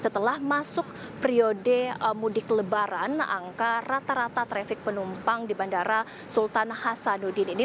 setelah masuk periode mudik lebaran angka rata rata trafik penumpang di bandara sultan hasanuddin ini